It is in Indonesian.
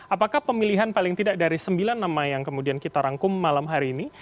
apakah pemilihan paling tidak dari sembilan nama yang kemudian kita rangkum malam hari ini